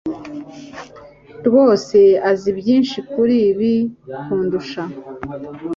rwose azi byinshi kuri ibi kundusha.